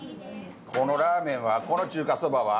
このラーメンはこの中華そばは。